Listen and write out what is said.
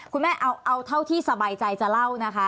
คุณแม่เอาเท่าที่สบายใจจะเล่านะคะ